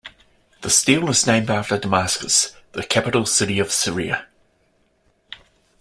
The steel is named after Damascus, the capital city of Syria.